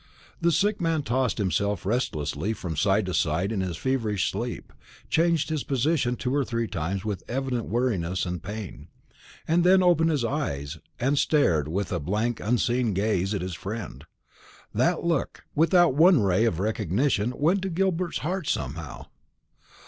The sick man tossed himself restlessly from side to side in his feverish sleep, changed his position two or three times with evident weariness and pain, and then opened his eyes and stared with a blank unseeing gaze at his friend. That look, without one ray of recognition, went to Gilbert's heart somehow.